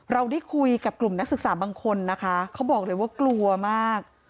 เราได้คุยกับกลุ่มนักศึกษาบางคนนะคะเขาบอกเลยว่ากลัวมาก